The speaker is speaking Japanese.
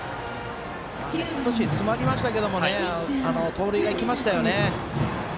少し詰まりましたけど盗塁が生きましたよね。